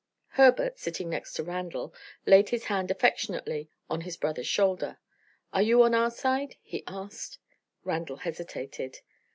Herbert, sitting next to Randal, laid his hand affectionately on his brother's shoulder. "Are you on our side?" he asked. Randal hesitated.